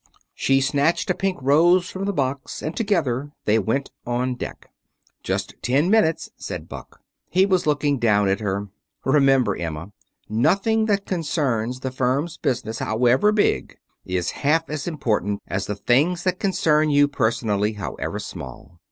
She snatched a pink rose from the box, and together they went on deck. "Just ten minutes," said Buck. He was looking down at her. "Remember, Emma, nothing that concerns the firm's business, however big, is half as important as the things that concern you personally, however small.